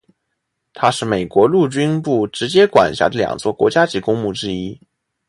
它是美国陆军部直接管辖的两座国家级公墓之一。